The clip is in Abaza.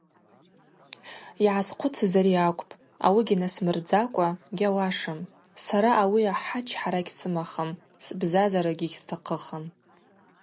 Йгӏасхъвыцыз ари акӏвпӏ, ауыгьи насмырдзакӏва гьауашым, сара ауи ахӏа чхӏара гьсымахым, сбзазарагьи гьстахъыхым.